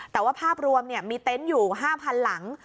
แต่ว่าภาพรวมมีเต็นต์อยู่๕๐๐๐หลัง